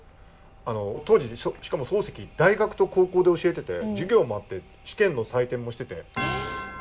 あの当時しかも漱石大学と高校で教えてて授業もあって試験の採点もしてて。